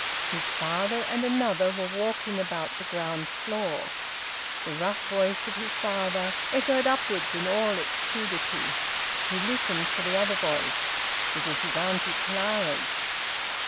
His father and another were walking about the ground floor; the rough voice of his father echoed upwards in all its crudity. He listened for the other voice; it was his Auntie Clara's.